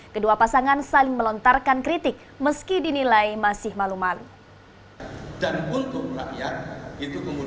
kedua pasangan saling melontarkan kritik meski dinilai masih malu malu